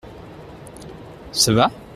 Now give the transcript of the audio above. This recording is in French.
Ça va ?